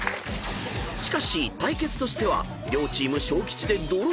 ［しかし対決としては両チーム小吉でＤＲＡＷ］